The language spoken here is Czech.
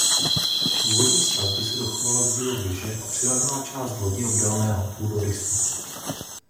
Z původní stavby se dochovalo zdivo věže a přilehlá část lodi obdélného půdorysu.